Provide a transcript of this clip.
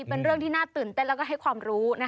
เป็นเรื่องที่น่าตื่นเต้นแล้วก็ให้ความรู้